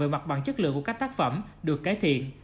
về mặt bằng chất lượng của các tác phẩm được cải thiện